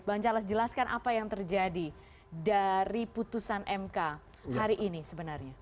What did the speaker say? bang charles jelaskan apa yang terjadi dari putusan mk hari ini sebenarnya